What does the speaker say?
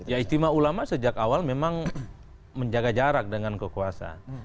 ya istimewa ulama sejak awal memang menjaga jarak dengan kekuasaan